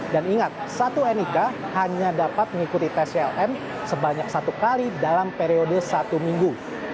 dan ingat satu enika hanya dapat mengikuti tes clm sebanyak satu kali dalam periode satu minggu